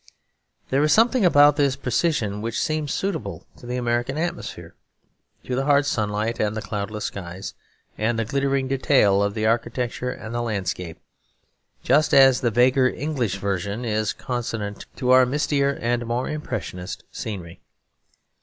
There is something about this precision which seems suitable to the American atmosphere; to the hard sunlight, and the cloudless skies, and the glittering detail of the architecture and the landscape; just as the vaguer English version is consonant to our mistier and more impressionist scenery.